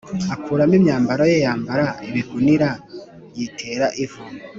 akuramo imyambaro ye yambara ibigunira yitera ivu